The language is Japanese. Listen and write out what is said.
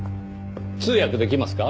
通訳できますか？